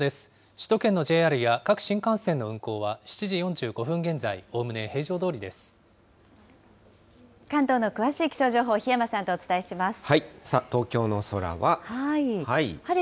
首都圏のＪＲや各新幹線の運行は、７時４５分現在、おおむね平常ど関東の詳しい気象情報、檜山さあ、東京の空は。